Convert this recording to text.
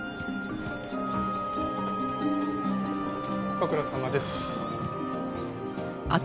ご苦労さまです。